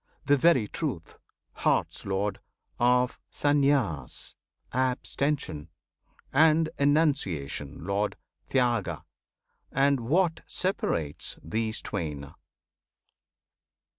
The very truth Heart's Lord! of Sannyas, Abstention; and enunciation, Lord! Tyaga; and what separates these twain!